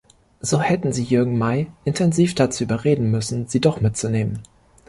So hätten sie Jürgen May intensiv dazu überreden müssen, sie doch mitzunehmen.